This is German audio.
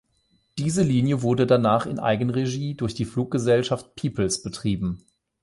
Diese Linie wurde danach in Eigenregie durch die Fluggesellschaft People’s betrieben.